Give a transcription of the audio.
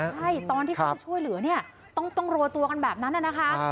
ใช่ตอนที่เขาช่วยเหลือต้องโลตัวกันแบบนั้นแหละนะคะ